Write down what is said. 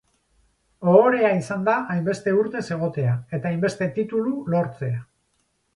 Ohorea izan da hainbeste urtez egotea, eta hainbeste titulu lortzea.